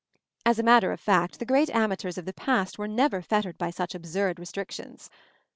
As a matter of fact, the great amateurs of the past were never fettered by such absurd restrictions.